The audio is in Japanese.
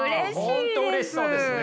本当うれしそうですね。